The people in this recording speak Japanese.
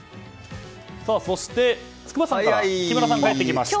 そして、筑波山から木村さんが帰ってきました。